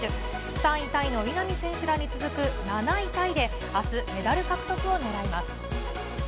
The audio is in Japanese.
３位タイの稲見選手らに続く７位タイで、あす、メダル獲得を狙います。